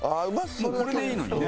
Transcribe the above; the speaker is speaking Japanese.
もうこれでいいのにね。